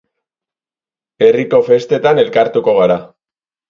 Herriko festetan elkartuko gara.